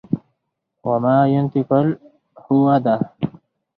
و ما ینطق الهوا ده